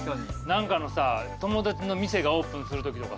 何かのさ友達の店がオープンするときとかさ。